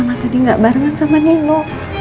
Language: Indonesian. mama tadi gak barengan sama nino